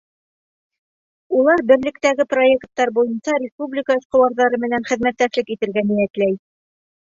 Улар берлектәге проекттар буйынса республика эшҡыуарҙары менән хеҙмәттәшлек итергә ниәтләй.